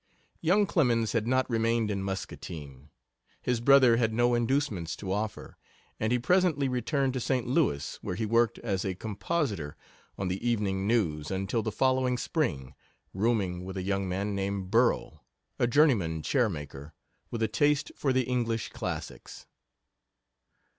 Young Clemens had not remained in Muscatine. His brother had no inducements to offer, and he presently returned to St. Louis, where he worked as a compositor on the Evening News until the following spring, rooming with a young man named Burrough, a journeyman chair maker with a taste for the English classics.